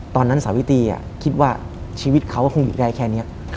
ตอนนั้นสาวิตรีคิดว่าชีวิตเขาก็คงหยุดได้แค่นี้